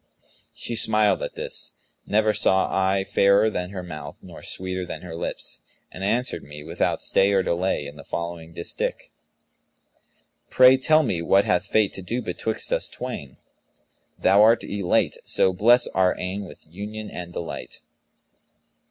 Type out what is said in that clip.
She smiled at this (never saw I fairer than her mouth nor sweeter than her lips), and answered me, without stay or delay, in the following distich, "Pray, tell me what hath Fate to do betwixt us twain? * Thou'rt Elate: so bless our eyne with union and delight.'